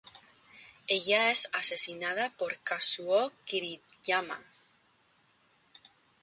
Ella es asesinada por Kazuo Kiriyama.